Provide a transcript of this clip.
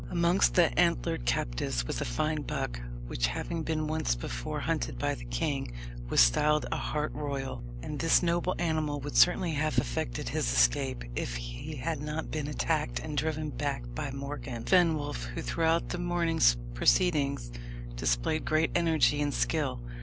Amongst the antlered captives was a fine buck, which, having been once before hunted by the king, was styled a "hart royal," and this noble animal would certainly have effected his escape if he had not been attacked and driven back by Morgan Fenwolf, who throughout the morning's proceedings displayed great energy and skill.